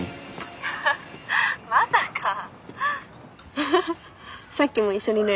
ハハハッさっきも一緒にね